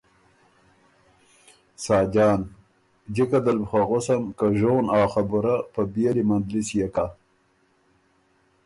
ساجان ـــ جِکه دل بُو خه غوَسم که ژون آ خبُره، په بيېلی مندلِس يې کۀ“